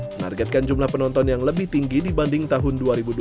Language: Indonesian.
menargetkan jumlah penonton yang lebih tinggi dibanding tahun dua ribu dua puluh